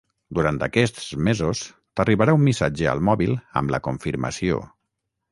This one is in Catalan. Durant aquests mesos t'arribarà un missatge al mòbil amb la confirmació.